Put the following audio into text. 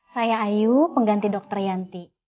saya ayu pengganti dr yanti